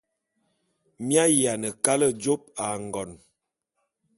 Mi ayiane kale jôp ba ngon.